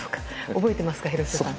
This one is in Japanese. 覚えてますか、廣瀬さん。